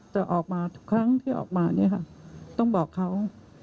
จะออกมาทุกครั้งที่ออกมาเนี่ยค่ะต้องบอกเขา